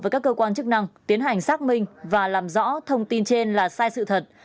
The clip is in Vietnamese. với các cơ quan chức năng tiến hành xác minh và làm rõ thông tin trên là sai sự thật